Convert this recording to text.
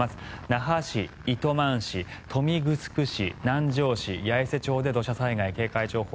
那覇市、糸満市、豊見城市南城市八重瀬町で土砂災害警戒情報。